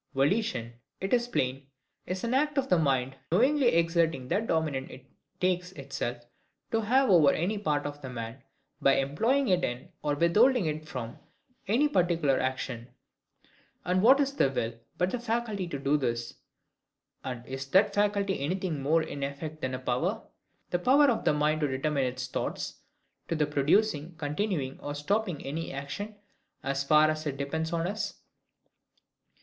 Volition, it is plain, is an act of the mind knowingly exerting that dominion it takes itself to have over any part of the man, by employing it in, or withholding it from, any particular action. And what is the will, but the faculty to do this? And is that faculty anything more in effect than a power; the power of the mind to determine its thought, to the producing, continuing, or stopping any action, as far as it depends on us?